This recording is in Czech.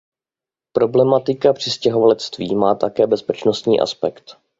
Problematika přistěhovalectví má také bezpečnostní aspekt.